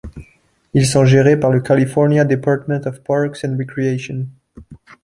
Ils sont gérés par le California Department of Parks and Recreation.